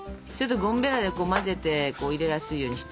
ゴムベラで混ぜて入れやすいようにして。